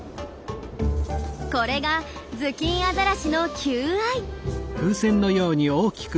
これがズキンアザラシの求愛。